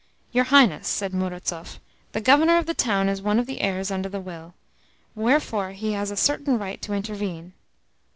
"Your Highness," said Murazov, "the Governor of the town is one of the heirs under the will: wherefore he has a certain right to intervene.